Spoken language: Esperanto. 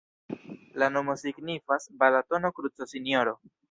La nomo signifas: Balatono-kruco-Sinjoro.